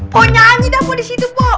po nyanyi dah po disitu po